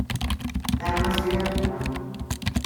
Dare una fregatura.